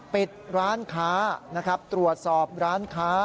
ปิดร้านค้านะครับตรวจสอบร้านค้า